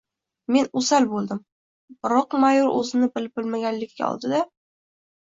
Men o‘sal bo‘ldim. Biroq mayor o‘zini bilib-bilmaganlikka oldi-da: